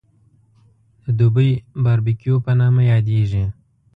د دوبۍ باربکیو په نامه یادېږي.